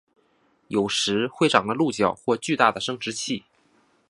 有时会长着鹿角或巨大的生殖器。